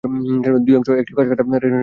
দুই অংশ একটি খাঁজকাটা রেখা দ্বারা বিভক্ত।